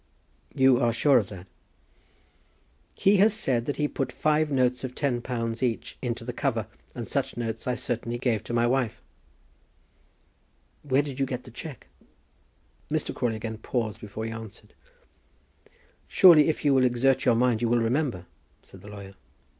"You are sure of that?" "He has said that he put five notes of £10 each into the cover, and such notes I certainly gave to my wife." "Where then did you get the cheque?" Mr. Crawley again paused before he answered. "Surely, if you will exert your mind, you will remember," said the lawyer.